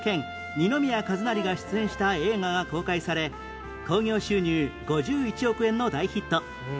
二宮和也が出演した映画が公開され興行収入５１億円の大ヒット